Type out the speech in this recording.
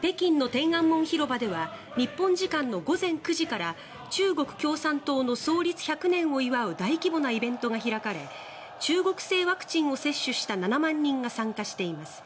北京の天安門広場では日本時間の午前９時から中国共産党の創立１００年を祝う大規模なイベントが開かれ中国製ワクチンを接種した７万人が参加しています。